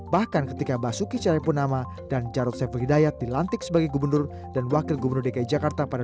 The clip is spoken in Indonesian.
bahkan ketika basuki cahayapunama dan jarod saiful hidayat dilantik sebagai gubernur dan wakil gubernur dki jakarta pada dua ribu delapan belas